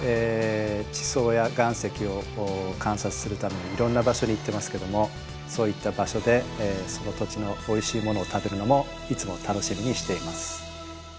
地層や岩石を観察するためにいろんな場所に行ってますけどもそういった場所でその土地のおいしいものを食べるのもいつも楽しみにしています。